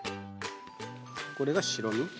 これが白身？